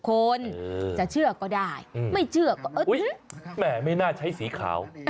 คนจะเชื่อก็ได้ไม่เชื่อก็อุ๊ยแม่ไม่น่าใช้สีขาว